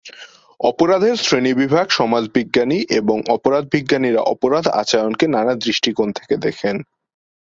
অপরাধের শ্রেণিবিভাগ সমাজবিজ্ঞানী এবং অপরাধবিজ্ঞানীরা অপরাধ আচরণকে নানা দৃষ্টিকোণ দেখেন।